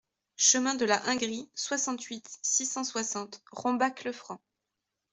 Chemin de la Hingrie, soixante-huit, six cent soixante Rombach-le-Franc